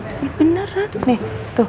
eh beneran nih tuh tuh